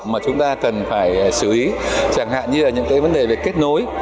mà chúng ta cần phải xử lý chẳng hạn như là những cái vấn đề về kết nối